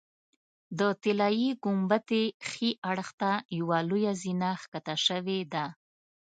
د طلایي ګنبدې ښي اړخ ته یوه لویه زینه ښکته شوې ده.